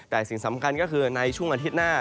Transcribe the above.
แต่สิ่งสำคัญก็คือในช่วงอาทิตย์หน้า